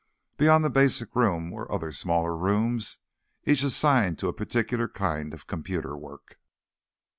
Beyond the basic room were other, smaller rooms, each assigned to a particular kind of computer work.